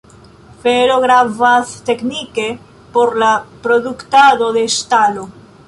Fero gravas teknike por la produktado de ŝtalo.